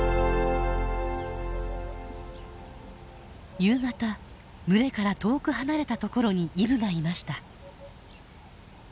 夕方群れから遠く離れた所にイブがいました。